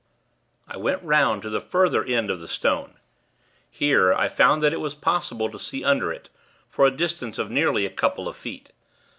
I went 'round to the further end of the stone. Here, I found that it was possible to see under it, for a distance of nearly a couple of feet.